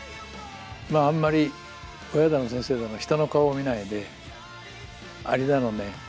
まああんまり親だの先生だの人の顔を見ないでアリだのね